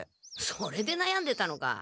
それでなやんでたのか。